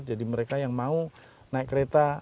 jadi mereka yang mau naik kereta